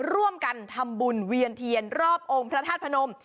ร่วมกันทำบุญเวียนเทียนรอบองค์พระธาตุพนม